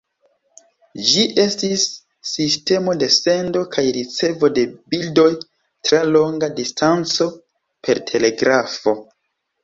Ĝi estis sistemo de sendo kaj ricevo de bildoj tra longa distanco, per telegrafo.